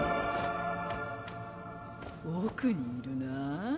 奥にいるなァ。